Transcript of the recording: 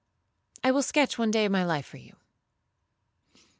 I will sketch one day of my life for you.